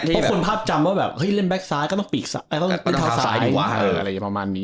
มันมีความภาพจำว่าเล่นแบ็กซ้ายก็ต้องเล่นเท้าซ้าย